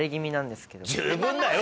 十分だよ